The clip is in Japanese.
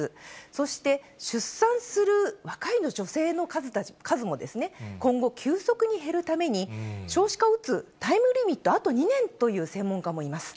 そして、出産する若い女性の数も今後急速に減るために、少子化を打つタイムリミット、あと２年という専門家もいます。